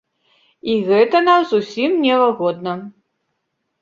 І гэта нам зусім нявыгадна.